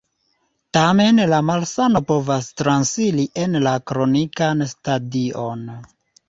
Tamen la malsano povas transiri en la kronikan stadion.